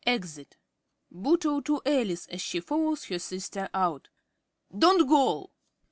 (Exit.) ~Bootle~ (to Alice, as she follows her sister out). Don't go!